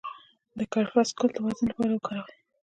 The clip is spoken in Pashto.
د کرفس ګل د وزن لپاره وکاروئ